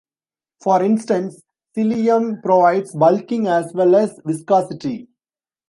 For instance, psyllium provides bulking as well as viscosity.